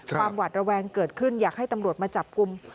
หวัดระแวงเกิดขึ้นอยากให้ตำรวจมาจับกลุ่ม